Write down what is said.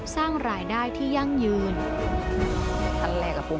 สร้างรายได้ที่ยั่งยืน